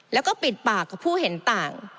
แล้วก็ปิดปากกับผู้เห็นต่าง